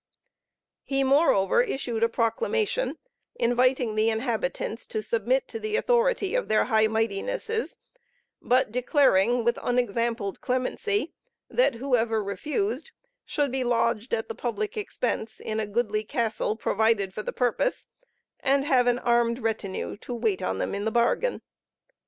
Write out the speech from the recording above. He moreover issued a proclamation, inviting the inhabitants to submit to the authority of their High Mightinesses, but declaring, with unexampled clemency, that whoever refused should be lodged, at the public expense, in a goodly castle provided for the purpose, and have an armed retinue to wait on them in the bargain.